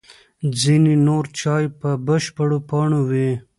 ځینې نور چای په بشپړو پاڼو وي.